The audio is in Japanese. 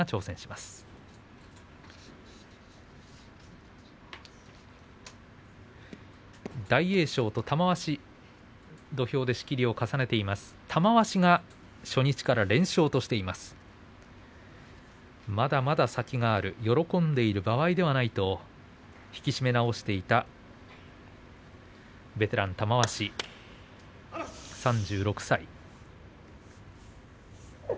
まだまだ先がある喜んでいる場合ではないと引き締め直していたベテラン玉鷲３６歳。